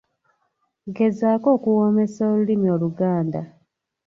Gezaako okuwoomesa olulimi Oluganda.